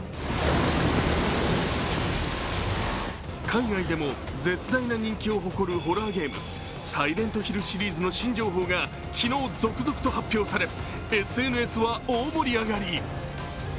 海外でも絶大な人気を誇るホラーゲーム、「サイレントヒル」シリーズの新情報が昨日、続々と発表されＳＮＳは大盛り上がり。